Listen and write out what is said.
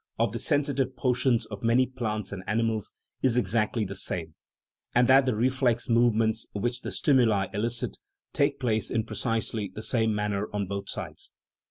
of the " sensitive " portions of many plants and animals is exactly the same, and that the reflex movements which the stimuli elicit take place in precisely the same manner on both sides.